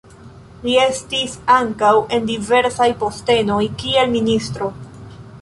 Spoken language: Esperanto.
Li estis ankaŭ en diversaj postenoj kiel ministro.